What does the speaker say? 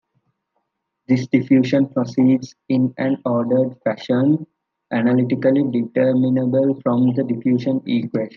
This diffusion proceeds in an ordered fashion, analytically determinable from the diffusion equation.